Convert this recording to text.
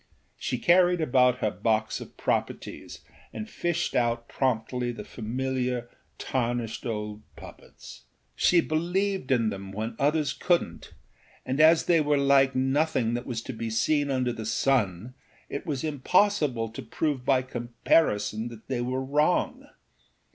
She carried about her box of properties and fished out promptly the familiar, tarnished old puppets. She believed in them when others couldnât, and as they were like nothing that was to be seen under the sun it was impossible to prove by comparison that they were wrong.